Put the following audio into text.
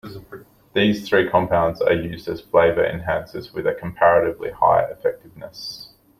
These three compounds are used as flavor enhancers with a comparatively high effectiveness.